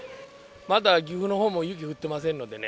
まだ岐阜のほうも雪降ってませんのでね。